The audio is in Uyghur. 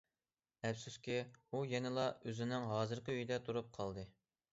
ئەپسۇسكى، ئۇ يەنىلا ئۆزىنىڭ ھازىرقى ئۆيىدە تۇرۇپ قالدى.